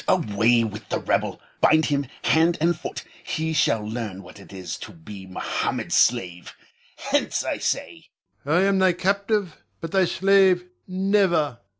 Away with the rebel! Bind him hand and foot. He shall learn what it is to be Mohammed's slave. Hence, I say! Ion. I am thy captive, but thy slave never!